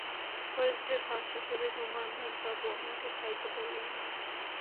বরযাত্রীদের খাওয়া শেষ হইলে শম্ভুনাথবাবু আমাকে খাইতে বলিলেন।